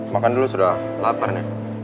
makan dulu sudah lapar nih